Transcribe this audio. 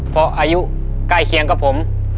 เพราะอายุใกล้เคียงกับผม